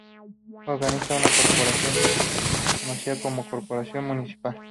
Organizaron una corporación que se conocía como Corporación Municipal.